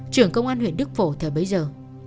trưởng công an huyện đức phổ thời bấy giờ